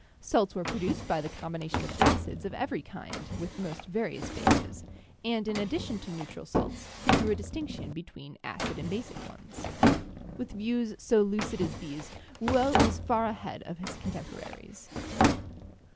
Salts were produced by the combination of acids of every kind with the most various bases; and in addition to neutral salts, he drew a distinction between acid and basic ones. ii2 CHEMISTRY With views so lucid as these, Rouelle was far ahead of his contemporaries.